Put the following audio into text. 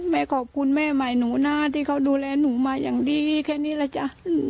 แม่ขอบคุณแม่ใหม่หนูนะที่เขาดูแลหนูมาอย่างดีแค่นี้แหละจ๊ะ